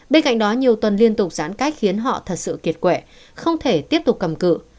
bên cạnh đó nhiều tuần liên tục giãn cách khiến họ thật sự kiệt quệ không thể tiếp tục cầm cự